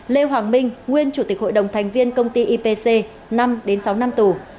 lê hoàng minh nguyên chủ tịch hội đồng thành viên công ty ipc năm sáu năm tù